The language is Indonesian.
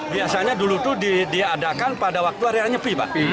biasanya dulu itu diadakan pada waktu area nyepi pak